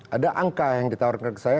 ada angka yang ditawarkan ke saya